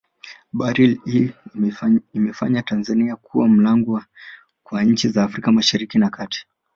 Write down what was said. Bahari hii imeifanya Tanzania kuwa mlango kwa nchi za Afrika mashariki na kati